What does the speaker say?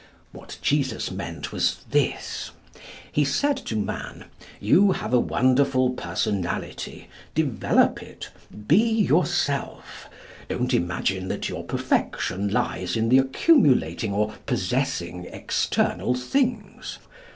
What Jesus meant, was this. He said to man, 'You have a wonderful personality. Develop it. Be yourself. Don't imagine that your perfection lies in accumulating or possessing external things.